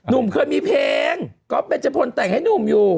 หนุ่มเคยมีเพลงก็เป็นจะผ่นแต่งให้หนุ่มอยู่